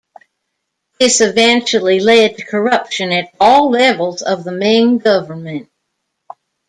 This eventually led to corruption at all levels of the Ming government.